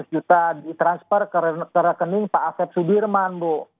lima belas juta ditransfer ke rekening pak asep sudirman bu